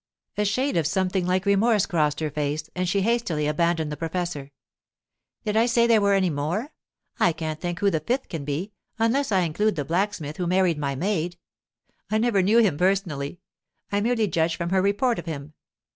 A shade of something like remorse crossed her face, and she hastily abandoned the professor. 'Did I say there were any more? I can't think who the fifth can be, unless I include the blacksmith who married my maid. I never knew him personally; I merely judge from her report of him.